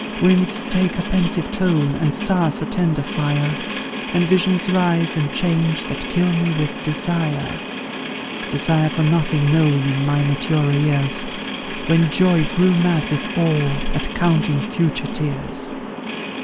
Winds take a pensive tone, and stars a tender fire, And visions rise, and change, that kill me with desire. "Desire for nothing known in my maturer years, When Joy grew mad with awe, at counting future tears.